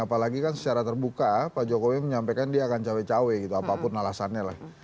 apalagi kan secara terbuka pak jokowi menyampaikan dia akan cawe cawe gitu apapun alasannya lah